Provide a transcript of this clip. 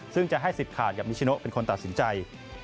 ซึ่งจะให้สิทธิ์ขาดกับนิชโนเป็นคนตัดสินใจ